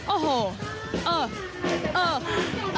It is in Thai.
โอ้โหเออเออ